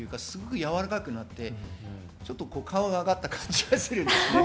すごくやわらかくなって顔が上がった感じがします。